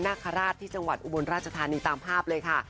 นาคาราชที่จังหวัดอุบลราชธานีตามภาพเลยค่ะ